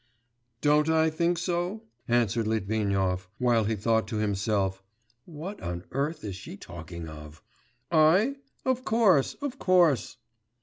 'Don't I think so?' answered Litvinov. While he thought to himself, 'What on earth is she talking of?' 'I? Of course ... of course....